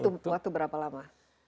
butuh waktu berapa lama